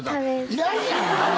いらんやん！